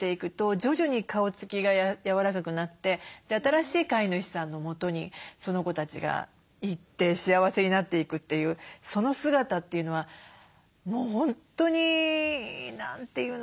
徐々に顔つきが柔らかくなって新しい飼い主さんのもとにその子たちが行って幸せになっていくというその姿というのはもう本当に何て言うのかな